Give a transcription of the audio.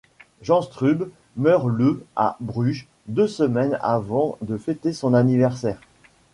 Jean Strubbe meurt le à Bruges, deux semaines avant de fêter son anniversaire.